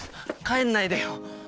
帰んないでよ。